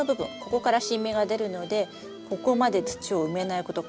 ここから新芽が出るのでここまで土を埋めないこと。